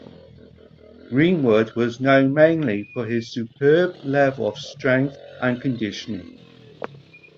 Greenwood was known mainly for his superb level of strength and conditioning.